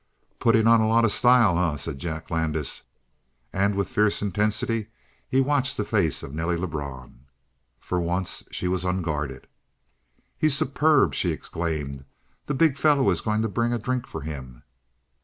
"Putting on a lot of style, eh?" said Jack Landis, and with fierce intensity he watched the face of Nelly Lebrun. For once she was unguarded. "He's superb!" she exclaimed. "The big fellow is going to bring a drink for him."